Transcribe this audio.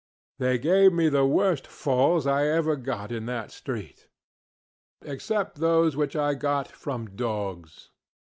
They gave me the worst falls I ever got in that street, except those which I got from dogs.